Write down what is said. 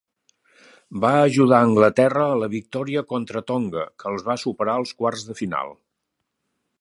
Va ajudar Anglaterra a la victòria contra Tonga, que els va superar als quarts de final.